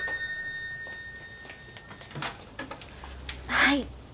☎はい。